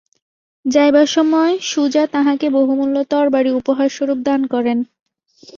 যাইবার সময় সুজা তাঁহাকে বহুমূল্য তরবারি উপহারস্বরূপ দান করেন।